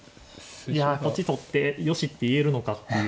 いやこっち取ってよしって言えるのかっていう。